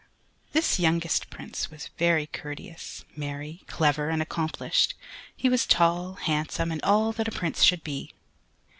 This youngest Prince was very courteous, merry, clever and accomplished, he was tall, handsome, and all that a prince should be.